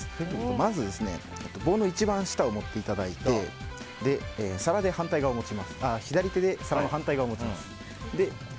まず、棒の一番下を持っていただいて左手で皿の反対側を持ちます。